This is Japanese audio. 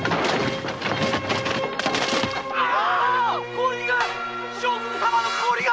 氷が将軍様の氷が！